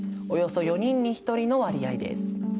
およそ４人に１人の割合です。